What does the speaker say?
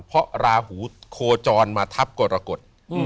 เพราะลาหูโคจรมาทับก้อละกด